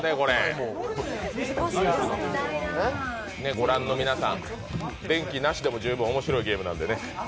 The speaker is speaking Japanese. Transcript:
ご覧の皆さん、電気なしでも十分面白いゲームなんでね。